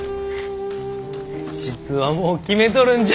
実はもう決めとるんじゃ。